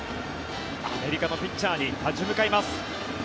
アメリカのピッチャーに立ち向かいます。